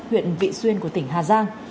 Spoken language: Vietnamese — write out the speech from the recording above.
huyện vị xuyên của tỉnh hà giang